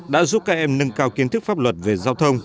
đã giúp các em nâng cao kiến thức pháp luật về giao thông